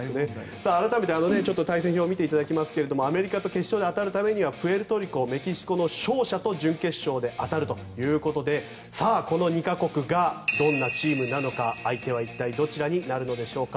改めて対戦表を見ていただきますがアメリカと決勝で当たるためにはプエルトリコ、メキシコの勝者と準決勝で当たるということでこの２か国がどんなチームなのか相手は一体どちらになるのでしょうか。